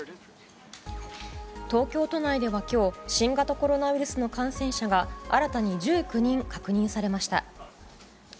東京都内では今日新型コロナウイルスの感染者が新たに１９人確認されました。